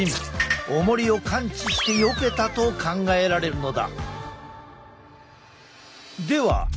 おもりを感知してよけたと考えられるのだ。